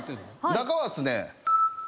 中はっすね。